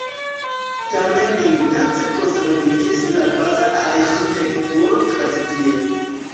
Tamen intence konserviĝis la baza arĥitekturo tradicia.